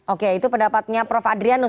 oke itu pendapatnya prof adrianus